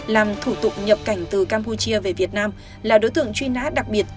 làm thủ tục nhập cảnh từ campuchia về việt nam là đối tượng truy nã đặc biệt